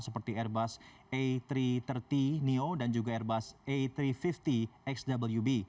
seperti airbus a tiga ratus tiga puluh neo dan juga airbus a tiga ratus lima puluh xwb